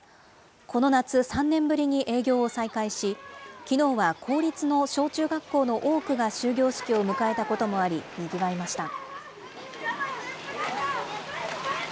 この夏、３年ぶりに営業を再開し、きのうは公立の小中学校の多くが終業式を迎えたこともあり、にぎわいました。